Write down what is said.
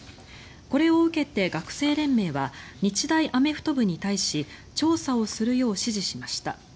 これを受けて、学生連盟は日大アメフト部に対し調査をするよう指示しました。